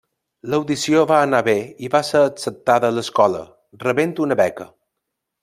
L'audició va anar bé i va ser acceptada a l'escola, rebent una beca.